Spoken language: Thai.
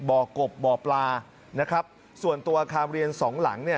บ่อกบบ่อปลาส่วนตัวคามเรียนสองหลัง